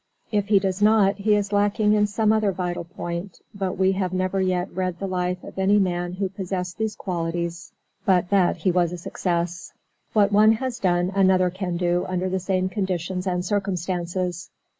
If he does not he is lacking in some other vital point, but we have never yet read the life of any man who possessed these qualities but that he was a success. What one has done another can do under the same conditions and circumstances.